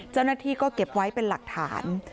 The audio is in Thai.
เจ้าหน้าที่ก็เก็บไว้เป็นหลักฐาน